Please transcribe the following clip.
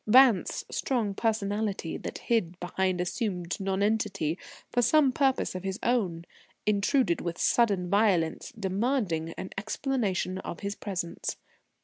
Vance, strong personality that hid behind assumed nonentity for some purpose of his own, intruded with sudden violence, demanding an explanation of his presence.